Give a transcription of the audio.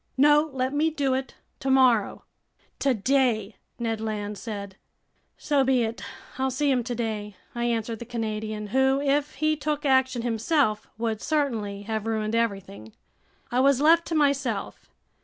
"No, let me do it. Tomorrow—" "Today," Ned Land said. "So be it. I'll see him today," I answered the Canadian, who, if he took action himself, would certainly have ruined everything. I was left to myself.